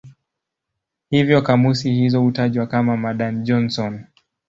Hivyo kamusi hizo hutajwa kama "Madan-Johnson".